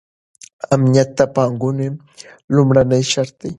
امنیت د پانګونې لومړنی شرط دی.